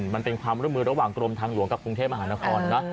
มันเป็นความร่วมมือระหว่างกรมทางหลวงกับกรุงเทพมหานครนะ